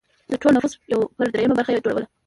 د ټول نفوس یو پر درېیمه برخه یې جوړوله.